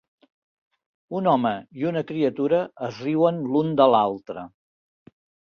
Un home i una criatura es riuen l'un de l'altre.